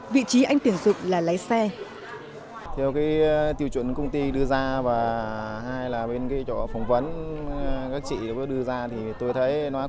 vị trí anh tiền dụng là lái xe